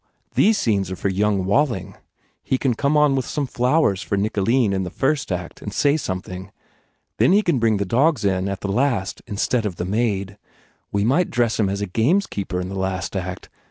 These scenes are for young Walling. He can come on with some flowers for Nicoline in the first act and say something. Then he can bring the dogs in at the last, instead of the maid. We might dress him as a gamekeeper in the last act.